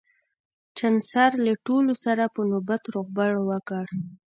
چانسلر له ټولو سره په نوبت روغبړ وکړ